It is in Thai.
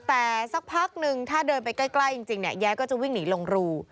แต่สักพักนึงถ้าเดินไปใกล้จริงเนี่ยยายก็จะวิ่งหนีลงรู